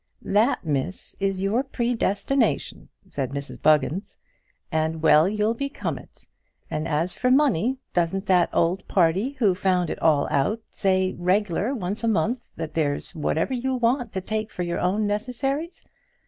"That, Miss, is your predestination," said Mrs Buggins, "and well you'll become it. And as for money, doesn't that old party who found it all out say reg'lar once a month that there's whatever you want to take for your own necessaries?